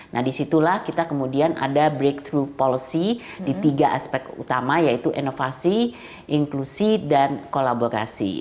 nah disitulah kita kemudian ada breakthrough policy di tiga aspek utama yaitu inovasi inklusi dan kolaborasi